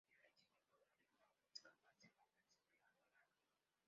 A diferencia de "Puzzle Bobble", es capaz de moverse de lado a lado.